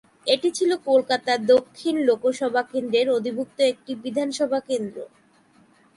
এটি ছিল কলকাতা দক্ষিণ লোকসভা কেন্দ্রের অধিভুক্ত একটি বিধানসভা কেন্দ্র।